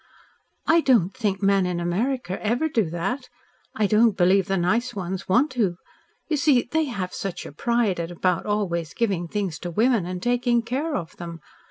"I don't think men in America ever do that. I don't believe the nice ones want to. You see they have such a pride about always giving things to women, and taking care of them.